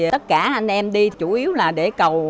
tất cả anh em đi chủ yếu là để cầu